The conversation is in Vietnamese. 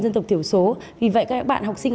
dân tộc thiểu số vì vậy các bạn học sinh